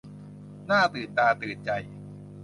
น่าตื่นตาตื่นใจ